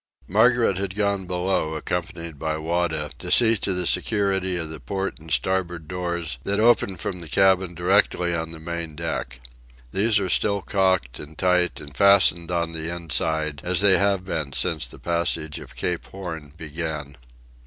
Margaret had gone below, accompanied by Wada, to see to the security of the port and starboard doors that open from the cabin directly on the main deck. These are still caulked and tight and fastened on the inside, as they have been since the passage of Cape Horn began.